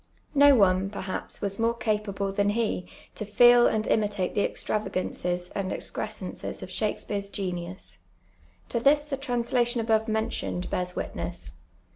No one, perhaps, was more capable than he to feci and imitate the extravagances and excri'scenccs of Shakspeare's j^eiv.us. To this the tnms iation above mentioned bears witness.